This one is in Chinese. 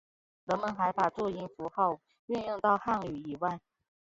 人们还把注音符号运用到汉语以外。